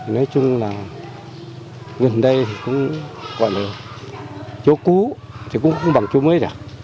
nói chung là gần đây thì cũng gọi là chỗ cũ thì cũng không bằng chỗ mới cả